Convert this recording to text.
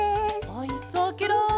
おいしそうケロ。